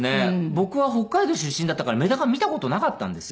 僕は北海道出身だったからメダカ見た事なかったんですよ。